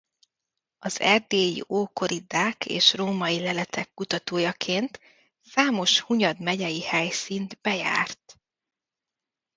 Az erdélyi ókori dák és római leletek kutatójaként számos Hunyad megyei helyszínt bejárt.